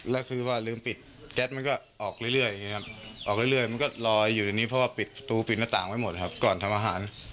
แล้วคือว่าลืมปิดแก๊สมันก็ออกเรื่อยออกเรื่อยมันก็ลอยอยู่ในนี้เพราะว่าปิดประตูปิดหน้าต่างไว้หมดครับก่อนทำอาหาร